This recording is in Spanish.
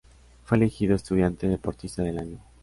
Fue elegido Estudiante-Deportista del Año.